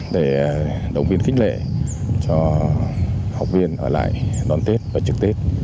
để đồng viên kích lệ cho học viên ở lại đón tết và trực tết